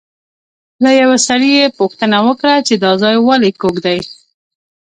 له یوه سړي یې پوښتنه وکړه چې دا ځای ولې کوږ دی.